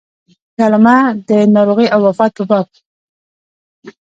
د علامه د ناروغۍ او وفات په باب.